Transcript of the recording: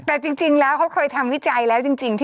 แต่จริงแล้วเขาเคยทำวิจัยแล้วจริง